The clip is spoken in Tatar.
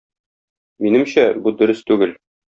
Минемчә, бу дөрес түгел.